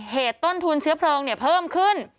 ต้นทุนเชื้อเพลิงเพิ่มขึ้น